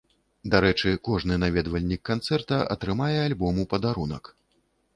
Дарэчы, кожны наведвальнік канцэрта атрымае альбом у падарунак.